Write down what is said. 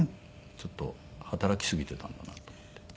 ちょっと働きすぎていたんだなと思って。